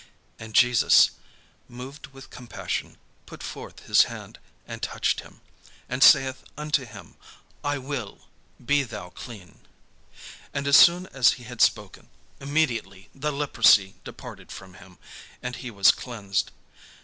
And Jesus, moved with compassion, put forth his hand, and touched him, and saith unto him, "I will; be thou clean." And as soon as he had spoken, immediately the leprosy departed from him, and he was cleansed.